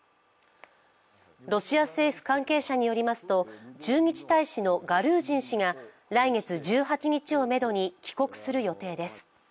ロシア政府関係者によりますと駐日大使のガルージン氏が来月１８日をめどに帰国する予定です。